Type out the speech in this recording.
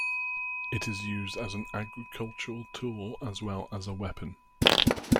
It is used as an agricultural tool as well as a weapon.